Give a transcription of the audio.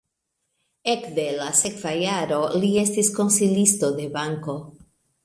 Ekde la sekva jaro li estis konsilisto de banko.